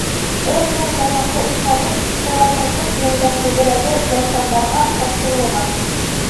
Ун мең данаһы эшләнеп, шуларҙың дүрт меңдән күберәге граждандарға тапшырылған.